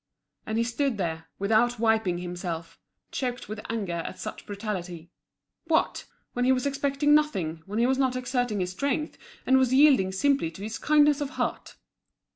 And he stood there, without wiping himself, choked with anger at such brutality. What! when he was expecting nothing, when he was not exerting his strength, and was yielding simply to his kindness of heart!